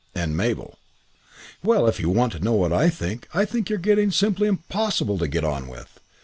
And Mabel: "Well, if you want to know what I think, I think you're getting simply impossible to get on with.